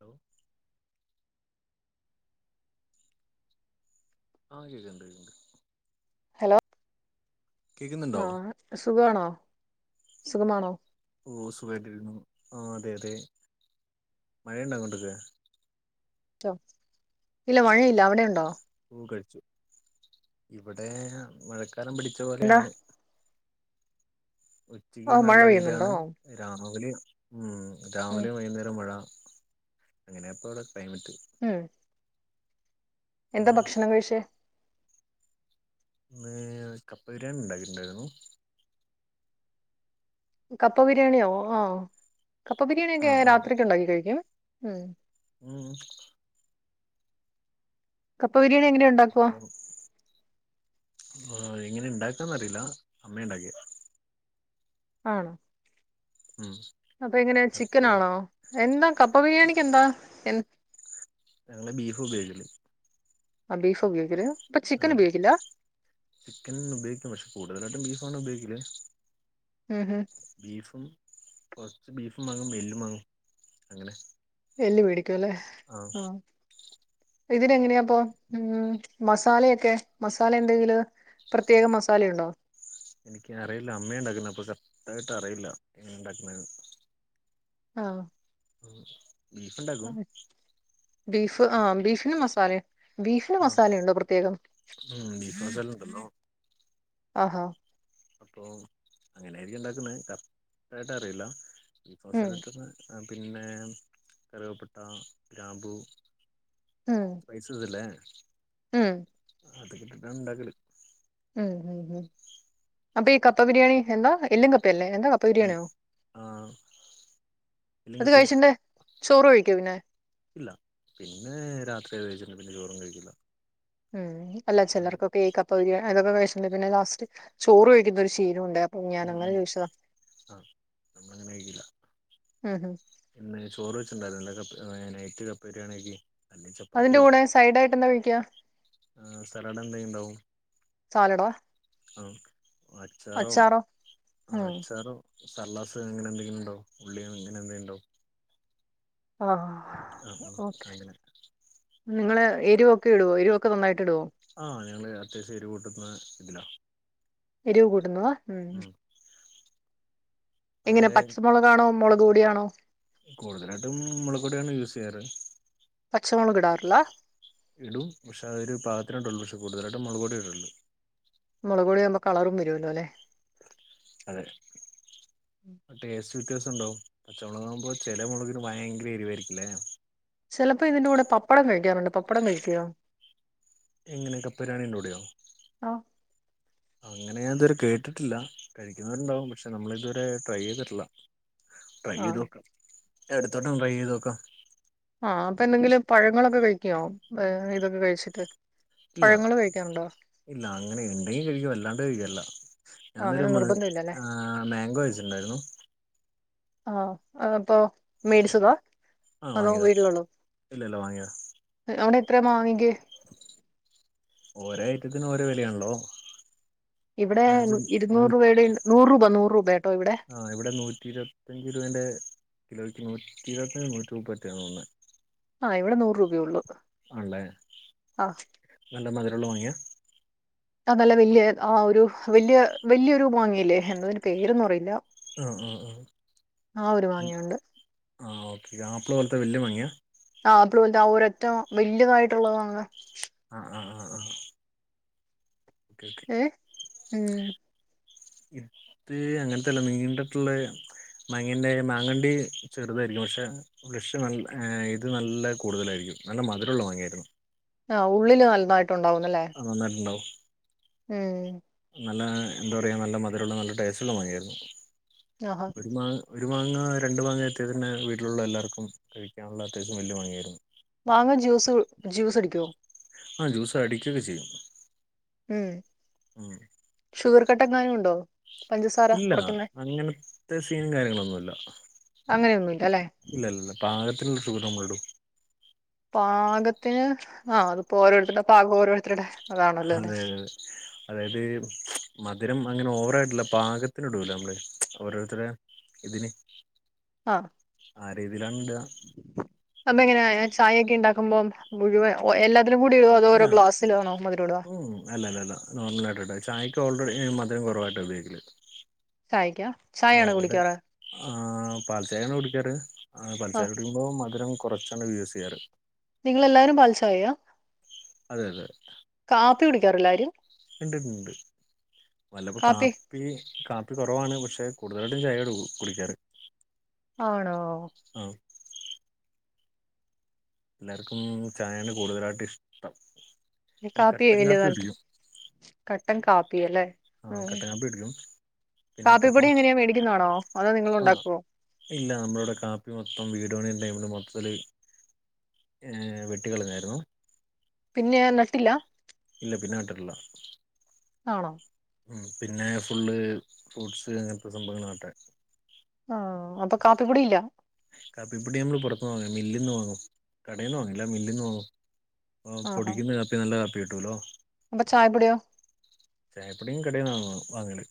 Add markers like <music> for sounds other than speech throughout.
Hello ആഹ് ചെയ്ത്ണ്ട് യ്ണ്ട് ഹെലോ ആഹ് സുഖാണോ സുഖമാണോ ഓ സുഖായിട്ടിരിക്കുന്നു ആ അതെ അതെ മഴ ഉണ്ടാ അങ്ങോട്ടൊക്കെ റ്റ്വ ഇല്ല മഴയില്ല അവിടെയുണ്ടോ ഓ കഴിച്ചു ഇവിടെ മഴക്ക ഇന്നും പിടിച്ച എന്താ പോലെയാണ് ഓ ഉച്ചയ്ക്ക് മഴ നല്ല പെയ്യുന്നുണ്ടോ വെയിലാണ് രാമവലി ഉം ഉം രാവിലെ വൈകുന്നേരം മഴ അങ്ങനെപ്പ ഇവിടെ ക്ലൈമറ്റ് ഉം എന്താ ഉം ഭക്ഷണം കഴിച്ചേ <unintelligible> കപ്പ ബിരിയാണി ഉണ്ടാക്കിട്ടുണ്ടായിരുന്നു കപ്പ ബിരിയാണിയോ ഓ കപ്പ ആ ബിരിയാണിയൊക്കെ ആ രാത്രി ഒക്കെ ഉണ്ടാക്കി കഴിക്കും ഉം ഉം കപ്പ ബിരിയാണിയെങ്ങനെയു <inaudible> ആ എങ്ങനെ ഇണ്ടാക്കാന്നറിയില്ല അമ്മയാ ഉണ്ടാക്കിയ ആണോ ഉം അപ്പൊ എങ്ങനെയാ അപ്പൊ ചിക്കനാണോ എന്താ കപ്പ ചിക്ക് ബിരിയാണിക്ക് എന്താ എ ഞങ്ങള് ബീഫ് ഉപയോഗി <inaudible> ആ ബീഫാ ഉപയോഗിക്കല് അപ്പൊ ചിക്കൻ ആ ഉപയോഗിക്കില്ല ചിക്കൻ ഉപയോഗിക്കും പക്ഷെ കൂടുതലായിട്ടും ബീഫ <unintelligible> അവിടെ ഉപയോഗിക്കില്ലേ ഉം ഉം ബീഫും കൊറച്ച് ബീഫും വാങ്ങും എല്ലും വാങ്ങും അങ്ങനെ എല്ലു <unintelligible> <unintelligible> ക്കല്ലേ ആഹ് ആഹ ഇതിന് എങ്ങനെയാപ്പൊ ഉം മസാലയൊക്കെ മസാല എന്തെങ്കില് പ്രത്യേകം മസാലയുണ്ടോ എനിക്ക് അറിയില്ല അമ്മയാ ഉണ്ടാക്കുന്ന അപ്പൊ <unintelligible> റ്റായിട്ട് അറിയില്ല എങ്ങന ഇണ്ടാക്കുന്നേന്ന് ആഹ <inaudible> ഉണ്ടാക്കും ബീഫ് ആ ബീഫിനും മസാല ബീഫിനും ആഹ് മസാലയുണ്ടോ പ്രത്യേകം ഉം ബീഫ് മസാല ഉണ്ടല്ലോ ആഹാ അപ്പൊ അങ്ങനായിരിക്കും ഉണ്ടാക്കുന്ന കറക്റ്റായിട്ടറിയില്ല ഇപ്പോ ഉം സ്ഥലത്തുന്ന് പിന്നെ കറിവപ്പട്ട ഗ്രാമ്പു ഉം പൈസസല്ലേ ഉം അത് ഉണ്ടാക്കല് ഉം ഉ ഉം അപ്പൊ ഈ കപ്പ ബിരിയാണി എന്താ എല്ലഉം കപ്പയല്ലേ എന്താ കപ്പ ബിരിയാണിയോ ആഹ് ഇല്ലെങ്കി അത് പി കഴിച്ചിണ്ടേ ചോറ് ഒഴിക്ക വിനെ ഇല്ല പിന്നെ രാത്രി ഏത്ച്ചിട്ട പിന്നെ ചോറും കഴിക്കില്ല മ് മ് അല്ല ഉം ചിലർക്ക കേക്കപ്പ ബിരിയാി അതൊക്കെ ണ്ട് പിന്നെ ലാസ്റ്റ് ചോറ് കഴിക്കുന്ന ഒരു ശീരമുണ്ട് ഉ ഉം ആ അങ്ങനെ കഴിക്കില്ല ഉംം എ ചോറ് വെച്ചുണ്ടാലോപ്പ നൈറ്റ് കപ്പരിയാണക്കക്ക് അതിന്റെ കൂടെ സൈഡ ആയിട്ട് എന്താ വിഴിക്കുക ആ സലട എന്തെങ്കി ണ്ടാവും സാലഡോ ആ അച്ചാറോ ആ ഉം അച്ചാറോ സർലാസ് ഇങ്ങനെ എന്തെങ്കിലും ഉണ്ടോ ഉള്ളിയും ഇങ്ങനെ എന്തെും ഉണ്ടോ ഓക്കെ അങ്ങനെ നിങ്ങള് എരിവൊക്കെ ഇവോ എരിവക്കെ നന്നട്ട് ആഹ് ഞങ്ങള് അത്യാവശ്യം എരു ഒരു കൂട്ടന്നഇതില എരിവ് കൂട്ടുന്നുവ മ് എങ്ങനെ അവിടെ പച്ചമുളക്ാണോ മുളക് കൂടെിയാണോ കൂടുതലായിട്ടും മുളകൊടിയാണ് യൂസ് ചെയ്യാറ് സോളം വിടർല്ല ഇടും പക്ഷേ അതൊരു പാകത്തിനട്ടള്ളൂ പക്ഷേ കൂടുതലായിട്ടും മുളുകോടി ഇട്ടുള്ളൂ മുളകൊടിയുമ്പ കളറും വരുല്ലോല്ലെ അതെ ടെസ് ക്ക് രസണ്ടാവും പച്ചമുളക ആകുമ്പോ ചില മുളകിന് ഭയങ്കര എരിവായിരിക്കല്ലേ ചിലപ്പോ ഇതിന്റെ കൂടെ പപ്പടം കഴിക്കാറുണ്ട് പപ്പടം കഴിക്കോ എങ്ങനെൊ കപ്പര്യാണിന്റെൂടെയാോ ആ അങ്ങനെ ഞാൻ ഇതുവരെ കേട്ടിട്ടില്ല കഴിക്കുന്നരുണ്ടാവും പക്ഷെ നമ്മള ഇതുവരെ ട്രൈ ചെയ്തിട്ടില്ല ട്രൈ ആ എയ്തോക്കാം എടുത്തോട്ടം ണ്ട്രൈ ചെയ്ത്ോക്കാം ആഹ അപ്പൊ എന്തെങ്കിലും പഴങ്ങളൊക്കെ കഴിക്കുവോ ഇതൊക്കെ കഴിച്ചിട്ട് ഇല്ല പഴങ്ങള് കഴിക്കാറുണ്ടോ ഇല്ല അങ്ങനെ ഉണ്ടെങ്കിൽ കഴിക്ക അല്ലാ അവികല്ല ആ അങ്ങനെ ഞാനൊരു മ നിർബന്ധം ഇല്ലല്ലേ മംഗോ കഴിച്ചിട്ടുണ്ടായിരുന്നു ആഹ അപ്പൊ മേടിച്ചതാ ആഹ് അതോ വാങ്ങിയതാ വീട്ടിലള്ളതോ ഇല്ലല്ല വാങ്ങിയതാ അവിടെ എത്ര മാങ്ങക്ക് ഓരോ ഐറ്റത്തിനും ഓരോ വെലയാണല്ലോ ഇവിടെ ഇരുന്നൂറ് രൂപയുടെ നൂറ് രൂപ നൂറ് രൂപയാട്ടോ ഇവിടെ ആഹ് കിലോക്ക് നൂറ്റി ഇരുപത്തി നൂറ്റി മുപ്പത്തി ആണ് ന്നാ തോന്നുന്നേ ആ ഇവിടെ നൂറ് രൂപയേ ഒള്ളൂ ആണ്ല്ലേ നല്ല മധുര മുള്ള മാങ്ങയാ അ നല്ല വല്യ ആ ഒരു വല്യ വല്യൊരു മാങ്ങിയില്ലേ എന്താതിന്റെ പേരൊന്നും അറിയില്ല ആ ആ ആ ഒരു മാങ്ങയുണ്ട് ആ ഉംആഹ് ഓ ആപ്പിൾ പോലത്തെ വല്യ മാങ്ങയാ ആഹ് ആപ്പിൾ പോലത്തെ ആ ഒരറ്റ വല്യതായിട്ടുള്ള മാങ്ങ ആഹ് ആ ആ ആ ക്കെ ക്കേ ഏ ഉം ഇത് അങ്ങനത്തെല്ല നീണ്ടിട്ടുള്ള മങ്ങേന്റെ മാങ്ങണ്ടി ചെറുതായിരിക്കും പക്ഷെ ഫ്‌ളഷ് നല്ല ഇത് നല്ല കൂടുതലായിരിക്കും നല്ല മധുരമുള്ള മാങ്ങയായിരുന്നു ആഹ് ഉള്ളില് നൽ ന്നാ ആ നന്നായിട്ടുണ്ടാവും ഉം നല്ല എന്താ പറയാ നല്ല മധുരമുള്ള നല്ല ടേസ്റ്റുള്ള മാങ്ങയായിരുന്നു ആഹ ഒരു മാ ഒരു മാങ്ങ രണ്ട് മാങ്ങ ചെത്തിയാൽതന്നെ വീട്ടിലുള്ള എല്ലാവർക്കും കഴിക്കാനുള്ള അത്യാവശ്യം വലിയ മാങ്ങയായിരുന്നു മാങ്ങാ ജ്യൂസ് ജ്യൂസ് അടിക്കുവോ ആഹ് ജ്യൂസ് അടിക്കൊക്കെ ചെയ്യും ഉം ഉം ഷുഗർ കട്ട് എങ്ങാനും ഉണ്ടോ പഞ്ചസാര ഇല്ല കുറയ്ക്കുന്നേ അങ്ങനത്തെ സീനും കാര്യങ്ങളൊന്നുല്ല അങ്ങനെയൊന്നുമില്ല അല്ലെ ഇല്ല ഇല്ല പാകത്തിന് ഷുഗർ <unintelligible> പാകത്തിന് ആ അതിപ്പോ ഓരോരുത്തരുടെ പാകം ഓരോരുത്തരുടെ അതാണല്ലോ അല്ലെ അതെ അതെ അതായത് മധുരം അങ്ങനെ ഓവറായിട്ടില്ല പാകത്തിന് ഇടുലെ നമ്മള് ഓരോരുത്തരെ ഇതിന് ആഹ് ആ രീ തിയിലാണ് ഇട ചായൊക്കെ ഉണ്ടാക്കുമ്പം മുഴുവൻ എല്ലാ ഇല്ല ഉം അല്ലല്ലല്ല നോർമൽ ആയിട്ടാ ഇടാ ചായ ക്ക് ഓൾറെഡി മധുരം കുറവായിട്ടാ ഉപയോഗിക്കല് ചായക്കാ ആ ചായയാണോ ഇവിടെ കുടിക്കാറ് ആ പാൽച്ചായയാണ് കുടിക്കാറ് ആ പഞ്ചസാര ഇടുമ്പോ മധുരം കുറച്ചാണ് യൂസ് ചെയ്യാറ് നിങ്ങളെല്ലാരും പാൽച്ചായയാ അതെ അതെ കാപ്പി കുടിക്കാറില്ല ആരും ഇണ്ട് ഇണ്ട് വല്ലപ്പോ കാപ്പി കാപ് പ്പി കുറവാണ് പക്ഷെ കൂടുതലായിട്ടും ചായയാണ് കുടിക്കാറ് ആണോ ആ എല്ലർക്കും ചായയാണ് കൂടുതലായിട്ട് ഇഷ്ടം പിന്നെ കാപ്പി കട്ടൻ <unintelligible> കുടിക്കും കട്ടൻ കാപ്പി അല്ലേ ആ ഉം കട്ടൻ കാപ്പി കുടിക്കും പിന്നെ കട്ടൻ കാപ്പിപ്പൊടി എങ്ങനെയാ മേടിക്കുന്നാണോ അതോ നിങ്ങൾ ആഹ് ഉണ്ടാക്കുവോ ഇല്ല നമ്മളിവിടെ കാപ്പി മൊത്തം വീട് പണി ടൈമില് മൊത്തത്തില് വെട്ടിക്കളഞ്ഞായിരുന്നു പിന്നെ നട്ടില്ല ഇല്ല പിന്നെ നട്ടിട്ടില്ല ആണോ ഉം പിന്നെ ഫുൾ ഫ്രൂട്ട്സ് അങ്ങനത്തെ സംഭവങ്ങളാ നട്ടേ ആഹ് അപ്പൊ കാപ്പിപ്പൊടി ഇല്ല കാപ്പിപ്പൊടി നമ്മള് പുറത്ത്ന്ന് വാങ്ങും മില്ലി ന്ന് വാങ്ങും കടയിൽന്ന് വാങ്ങില്ല മില്ലി ന്ന് വാങ്ങും ആ ആഹാ പൊടിക്കുന്ന കാപ്പി നല്ല കാപ്പി കേട്ടുലോ അപ്പൊ ചായപ്പൊടിയോ ചായപ്പൊടിയും കടേന്ന് വാങ്ങുവാ വാങ്ങല്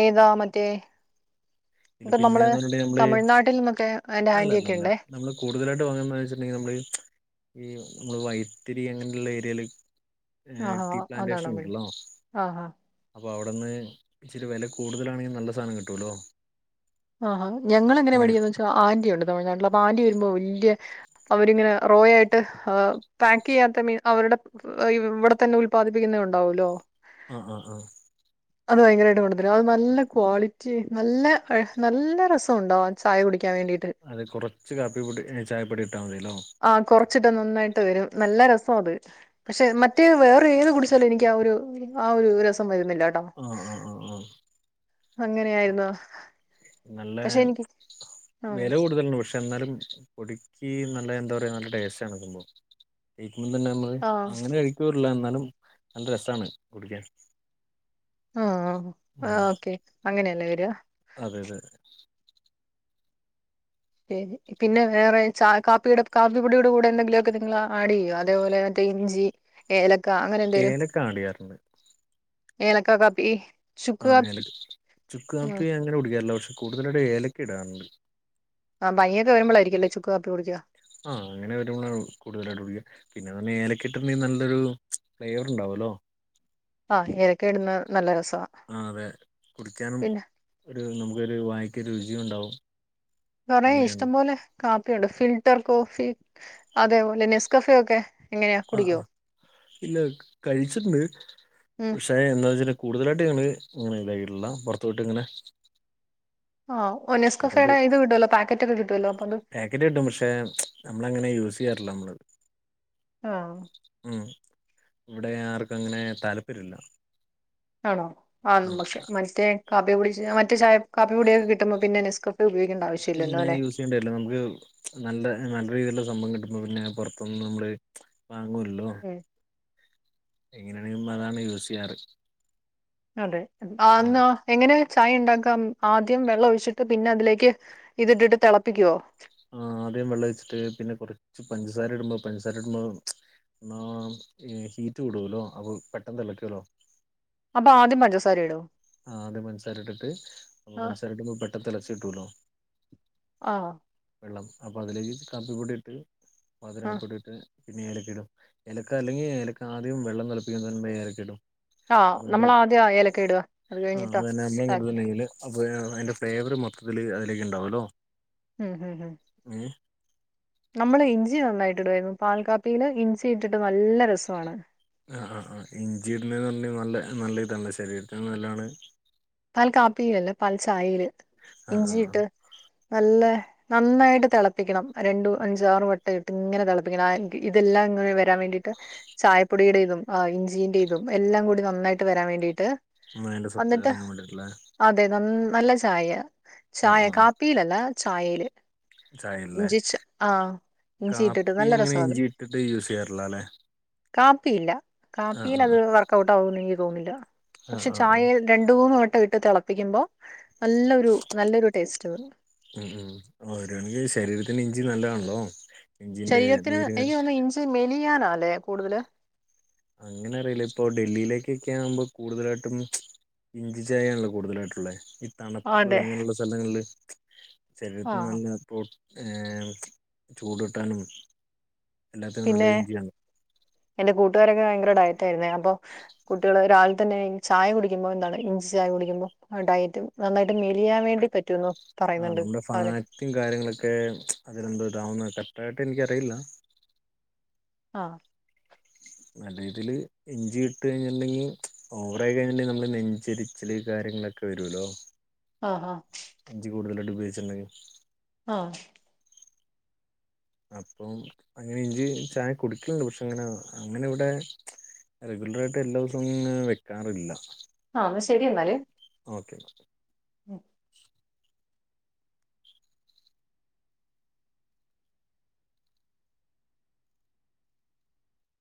ഏതാ മറ്റേ ഇ ഇപ്പൊ നമ്മള് പിന്നെന്ന് പറഞ്ഞിട്ടുണ്ടെങ്കിൽ നമ്മള് തമിഴ്നാട്ടിൽ നിന്നൊക്കെ എന്റെ അല്ലല്ല ആന്റിയൊക്കെ അല്ല ഉണ്ടേ നമ്മള് കൂടുതലായിട്ട് വാങ്ങുന്നത് ന്ന് വെച്ചിട്ടുണ്ടെങ്കിൽ നമ്മള് ഈ നമ്മള് വൈത്തിരി അങ്ങനെയുള്ള ഏരിയൽ ആഹ് ആഹ് അതാണോ <unintelligible> ആഹ് ആഹ് അപ്പോ അവിടുന്ന് ഇച്ചിരി വില കൂടുതലാണെങ്കിലും നല്ല സാധനം കിട്ടുമല്ലോ ആഹാ ഞങ്ങളെങ്ങനെയാ മേടിക്കുന്നേന്ന് വെച്ചാൽ ആന്റി ഉണ്ട് തമിഴ്‌നാട്ടില് അപ്പൊ ആന്റി വരുമ്പോ വല്യ അവരിങ്ങനെ റോ ആയിട്ട് പാക്ക് ചെയ്യാത്ത മീൻ അവരുടെ ഇവിടെ തന്നെ ഉല്പാദിപ്പിക്കുന്ന ഉണ്ടാവൂല്ലോ ആഹ് ആഹ് ആഹ് അത് ഭയങ്കരമായിട്ട് കൊണ്ടു തരും അത് നല്ല ക്വാളിറ്റി നല്ല നല്ല രസം ഉണ്ടാവും ആ ചായ കുടി അത് കുറച്ച് കാപ്പിപ്പൊടി ചായപ്പൊടി ഇട്ടാമതില്ലോ ആഹ് കുറച്ചിട്ടാ നന്നായിട്ട് വരും നല്ല രസ <unintelligible> അതെ പക്ഷെ മറ്റേ വേറെ ഏത് കുടിച്ചാലും എനിക്ക് ആ ഒരു ആ ഒരു രസം വര ആ ആ ആ ആ അങ്ങനെ ആയിരുന്നോ നല്ല ആഹ് വെല കൂടുതലണ് പക്ഷെ ഇന്നാലും പൊടിയ്ക്ക് നല്ല എന്താ പറയാ നല്ല ടേസ്റ്റ് ആണ് ഇടുമ്പോ ഇന്നെന്നെ നമ്മള് ആഹ് അങ്ങനെ കഴിക്കാറില്ല എന്നാലും നല്ല രസാണ് കുടിക്കാൻ - ആഹ് ഓക്കെ അങ്ങനെയ നേരാ അതെ അതെ ശരി പിന്നെ വേറെ ച കാപ്പിടെ കാപ്പിപ്പൊടിയുടെ കൂടെ എന്തെങ്കിലുമൊക്കെ നിങ്ങളെ ആഡ് ചെയ്യോ അതേപോലെ മറ്റേ ഇഞ്ചി ഏല ഏലക്ക ആഡ് ചെയ്യാറുണ്ട്. ഏലക്കാ കാപ്പി ചുക്ക് ആ കാപ്പി ഏലക്ക ചുക്ക് കാപ്പി അങ്ങനെ കുടിക്കാറില്ല പക്ഷെ കൂടുതലായിട്ട് ഏലക്ക ഇടാറുണ്ട്. ആഹ് പനിയൊക്കെ വരുമ്പോളായിരിക്കുംല്ലേ ചുക്ക് കാപ്പി കുടിക്കുക ആ അങ്ങനെ വരുമ്പോ കൂടുതലായിട്ട് കുടിക്ക പിന്നെന്ന് ഏല- കിട്ടുന്ന നല്ലൊരു ഫ്ലേവർ ഉണ്ടാവല്ലോ- ആഹ് ഏലയ്ക്ക ഇടുന്ന നല്ല രസാ ആ അതെ കുടിക്കാനും ഒരു മു ക്ക്‌ ഒരു വായിക്ക്‌ രുചിയും ഉണ്ടാവും പറയ് ഇഷ്ടം അങ്ങനെയാണല്ലോ പോലെ കാപ്പിയൊണ്ട് ഫിൽട്ടർ കോഫി അതേപോലെ നെസ്കഫെ ഒക്കെ എങ്ങനെയാ ആഹ് കുടിക്കോ ആ ഇല്ല കഴിച്ചിട്ടുണ്ട് ഉം പക്ഷെ എന്താന്നുവെച്ചാ കൂടുതലായിട്ട് ഞങ്ങള് ഇങ്ങനെ യുണ്ടാക്കിയിട്ടില്ല പൊറത്ത് പോയിട്ട് ഇങ്ങനെ ആ ഒ പുറത്തോട്ട് നെസ്കഫേയുടെ ഇത് കിട്ടുവല്ലോ പാക്കറ്റ് ഒക്കെ കിട്ടുവല്ലോ അപ്പൊ അത് പാക്കറ്റ് കിട്ടും പക്ഷെ നമ്മളങ്ങനെ യൂസ് ചെയ്യാറില്ല നമ്മളിവിടെ ആഹ് മ് ഇവിടെ ആർക്കും അങ്ങനെ താല്പര്യമില്ല ആണോ ആ <unintelligible> മറ്റേ കാപ്പികുടിച്ച് മറ്റേ ചായ കാപ്പിപൊടിയൊക്കെ കിട്ടുമ്പോ പിന്നെ നെസ് പിന്നെ യൂസ് ചെയ്യേണ്ടല്ലോ നമുക്ക് നല്ല നല്ല രീതിയിലുള്ള സംഭവം കിട്ടുപോ പിന്നെ പൊറത്തുന്ന് നമ്മള് വാങ്ങൂലല്ലോ ഉം എങ്ങനെയാണെങ്കിലും അതാണ് യൂസ് ചെയ്യാറ് അതെ ആ ആന്നോ എങ്ങനെ ചായ ഇണ്ടാക്കാം ആദ്യം വെള്ളം ഒഴിച്ചിട്ട് പിന്നെ അതിലേക്ക് ഇതിട്ടിട്ട് തിളപ്പിക്കുവോ ആദ്യം വെള്ളം വെച്ചിട്ട് പിന്നെ കുറച്ച് പഞ്ചസാര ഇടുമ്പോ പഞ്ചസാര ഇടുമ്പോ ആഹ് ഹീറ്റ് കൂടുല്ലോ അപ്പോ പെട്ടെന്ന് തിളിക്കുവല്ലോ അപ്പൊ ആദ്യം പഞ്ചസാര ഇടോ ആദ്യം പഞ്ചസാര ഇട്ടിട്ട് അപ്പൊ ആഹ് പഞ്ചസാരയിട്ട് പെട്ടെന്ന് തിളക്കും ഡൂലോ <unintelligible> ആഹ വെള്ളം അപ്പോം അതിലേക്ക് കാപ്പിപ്പൊടി ഇട്ട് മധുരം ആഹ് അപ്പ ഇട്ടിട്ട് പിന്നെ ഏലക്ക ഇടും ഏലക്ക അല്ലെങ്കിൽ ഏലക്ക ആദ്യം വെള്ളം തിളപ്പിക്കുമ്പോ ഏലക്ക ഇടും ആഹ നമ്മള ആദ്യം ഏലക്ക ഇടുക അത് ആഹ കഴിഞ്ഞിട്ടാ അതന്നെ അമ്മെങ്ങ കാപ്പി തെയില് <unintelligible> അപ്പോ അതിന്റെ ഫ്ലേവർ മൊത്തത്തിൽ അതിലേക്ക് ഉണ്ടാവുമല്ലോ ഉം ഹം ഹം ഏഹ് നമ്മള് ഇഞ്ചി നന്നായിട്ട് ഇടുമായിരുന്നു പാൽ കാപ്പിയില് ഇഞ്ചി ഇട്ടിട്ട് നല്ല രസമാണ് ആ ആ ആ ഇഞ്ചി ഇടുന്നത് പറഞ്ഞ നല്ല നല്ല ഇതാണ് ശരീരത്തിന് നല്ലതാണ് പാൽ കാപ്പിയിലല്ലേ പാൽ ചായൽ ആ ആ ഇഞ്ചിയിട്ട് നല്ല നന്നായിട്ട് തിളപ്പിക്കണം രണ്ടു അഞ്ചാറ് വട്ടം ഇട്ട് ഇങ്ങനെ തിളപ്പിക്കണം ഇതെല്ലാം ഇങ്ങനെ വരാൻ വേണ്ടിട്ട് ചായപ്പൊടിയട ഇതും ഇഞ്ചിന്റെ ഇതും എല്ലാം കൂടി നന്നായിട്ട് വരാൻ വേണ്ടിയിട്ട് എന്റെ സ്വത്ത് എന്നിട്ട് ഇറങ്ങാ വേണ്ട <unintelligible> അതെ <unintelligible> നം നല്ല ചായ ആ ചായ ആ കാപ്പിയിൽ അല്ല ചായയില് ചായല്ലേ ഇഞ്ചി ച ആ ഇഞ്ചി ഇട്ടിട്ട് കാപ്പി നല്ല രസ എങ്ങനെ അത് ഇഞ്ചി ഇട്ടിട്ട് യൂസ് ചെയ്യാറില്ല അല്ലേ കാപ്പിയില്ല കാപ്പിയൽ അത് വർക്കഔട്ട് ആകും ന്നില്ല <unintelligible> ആ പക്ഷെ ആ ആ ചായൽ രണ്ടുമൂന്നു വട്ടം ഇട്ട് തിളപ്പിക്കുമ്പോൾ നല്ലൊരു നല്ലൊരു ടേസ്റ്റ് ഉം ഉം ഓരോണെങ്കിൽ ശരീരത്തിന് ഇഞ്ചി നല്ലതാണല്ലോ ഇഞ്ചിന്റെ ശരീരത്തിന് നീര് ആയോ ഇഞ്ചി അല്ലേ കൂടുതല് അങ്ങനെ അറിയില്ല ഇപ്പൊ ഡൽഹിയിലേക്ക് ആവുമ്പോൾ കൂടുതലായിട്ടും ഇഞ്ചി ചായയാണല്ലോ കൂടുതലായിട്ടുള്ളത് ഈ തണുപ്പ് അതെ അങ്ങനെയുള്ള സ്ഥലങ്ങളില് ഉ ആഹ് ശരീരത്തിനല്ല പ്രോട്ടീൻ ചൂട് കിട്ടാനും എല്ലാത്തിനും നല്ല രീതിയാണ് കുട്ടുകാരൊക്കെ ഭയങ്കര ഡയറ്റായിരുന്നേ അപ്പൊ കുട്ടികൾ ഒരാള തന്നെ ചായ കുടിക്കുമ്പോ എന്താണ് ഇഞ്ചി ചായ കുടിക്കുമ്പോ ആ ഡയറ്റ് നന്നായിട്ട് മെലിയാൻ വേണ്ടി പറ്റുന്നൊ ആഹ് നമ്മുടെ ഫാറ്റും കാര്യങ്ങളൊക്കെ അതിലെന്തോ ഇതാവുന്നെട്ടേ ടയട്ട് ഇൻക്ക് അറ ഇല്ല ആഹ് നല്ല രീതില് ഇഞ്ചിട്ട് കഴിഞ്ഞിട്ടുണ്ടെങ്കിൽ ഓവറായി കഴിഞ്ഞട്ടുണ്ടെങ്കിൽ നമ്മള് നെഞ്ചരിച്ചല് കാര്യങ്ങളൊക്കെ വരുല്ലോ ആഹ് ആഹ് ഇഞ്ചി കൂടുതൽ അടിപ ച്ചെന്നെ ആഹ് അപ്പം അങ്ങനെ ഇഞ്ചി ചായ കുടിക്കുന്നു പക്ഷെ ഇങ്ങനെ അങ്ങനെ ഇവിടെ റെഗുലർ ആയിട്ട് എല്ലാ വസവും വെക്കാറില്ല ആഹ് ശെരി ഇന്നാല് ഓക്കെ ഉം